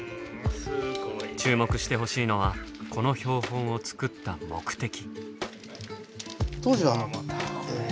注目してほしいのはこの標本を作った目的。